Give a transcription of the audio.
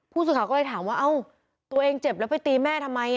ผู้สื่อข่าวก็เลยถามว่าเอ้าตัวเองเจ็บแล้วไปตีแม่ทำไม